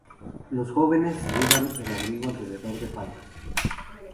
Las jóvenes llevan el abrigo alrededor de faldas.